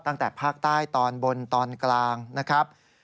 ตั้งแต่ภาคใต้ตอนบนตอนกลางนะครับ